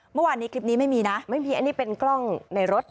เมื่อวานนี้คลิปนี้ไม่มีนะไม่มีอันนี้เป็นกล้องในรถ